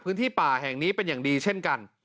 พื้นที่ป่าแห่งนี้เป็นอย่างดีเช่นกัน